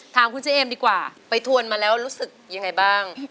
ถามคุณเจเอมดีกว่าไปทวนมาแล้วรู้สึกยังไงบ้าง